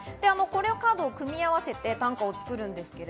カードを組み合わせて短歌を作ります。